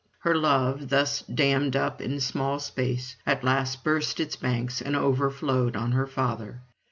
Her love thus dammed up into a small space at last burst its banks, and overflowed on her father.